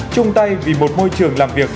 chung tay vì một môi trường làm việc